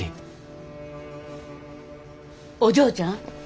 お嬢ちゃん。